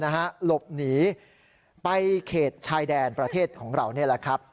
หลบหนีไปเขตชายแดนประเทศของเรา